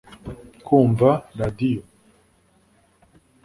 kumva radio